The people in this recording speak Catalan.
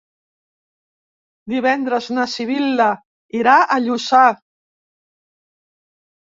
Divendres na Sibil·la irà a Lluçà.